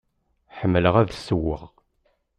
Ḥemmleɣ ad ssewweɣ.